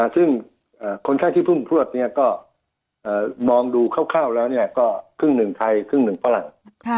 ซึ่งคนไข้ที่เพิ่งพลวดก็มองดูคร่าวแล้วก็ครึ่งหนึ่งไทยครึ่งหนึ่งฝรั่ง